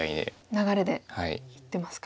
流れでいってますか。